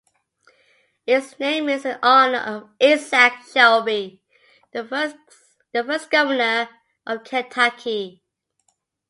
Its name is in honor of Isaac Shelby, the first Governor of Kentucky.